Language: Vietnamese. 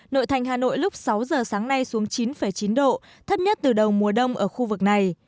nội thành hà nội lúc sáu giờ sáng nay xuống chín chín độ thấp nhất từ đầu mùa đông ở khu vực này